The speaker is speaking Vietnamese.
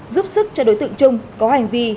giúp sức cho đối tượng trung có hành vi